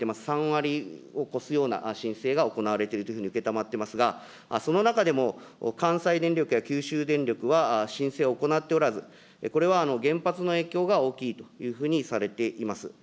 ３割を超すような申請が行われているというふうに承ってますが、その中でも、関西電力や九州電力は申請を行っておらず、これは原発の影響が大きいというふうにされています。